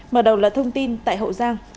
mở đầu là thông tin tại hậu giang